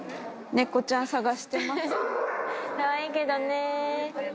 猫ちゃん探してます？